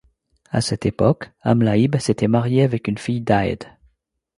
À cette époque, Amlaíb s'était marié avec une fille d'Áed.